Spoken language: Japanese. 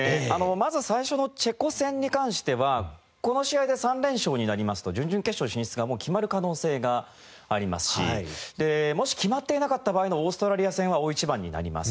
まず最初のチェコ戦に関してはこの試合で３連勝になりますと準々決勝進出が決まる可能性がありますしもし決まっていなかった場合のオーストラリア戦は大一番になります。